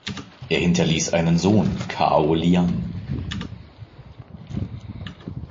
Er hinterließ einen Sohn, Cao Liang.